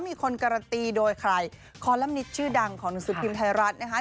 มีคนการันตีโดยใครคอลัมนิดชื่อดังของหนุ่มสูตรกลิมไทยรัฐนะฮะ